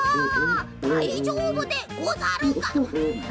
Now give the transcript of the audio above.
「だいじょうぶでござるか？」。